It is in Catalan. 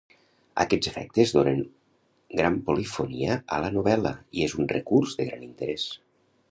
Aquests efectes donen gran polifonia a la novel·la i és un recurs de gran interès.